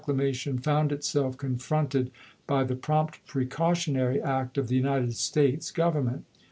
lamation found itself confronted by the prompt precautionary act of the United States Govern ment.